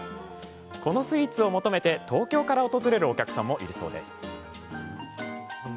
このスイーツを求めて東京から訪れるお客さんもいるそうです。